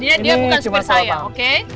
dan dia bukan sopir saya oke